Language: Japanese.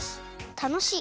たのしい！